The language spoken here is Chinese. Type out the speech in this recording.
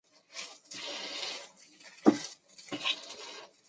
它的灵感来自罗马神话中太阳神阿波罗的初恋故事。